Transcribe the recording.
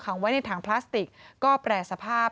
ไว้ในถังพลาสติกก็แปรสภาพ